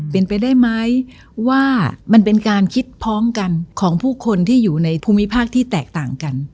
เป็นไปได้ไหมว่ามันเป็นการคิดพ้องกันของผู้คนที่อยู่ในภูมิภาคที่แตกต่างกัน